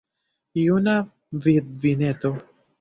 Juna vidvineto!